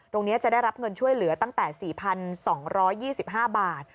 จะได้รับเงินช่วยเหลือตั้งแต่๔๒๒๕บาท